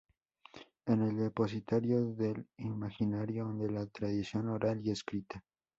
Es el depositario del imaginario de la tradición oral y escrita.